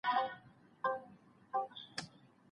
پنډي ولي په اوږه باندي ګڼ توکي راوړي وو؟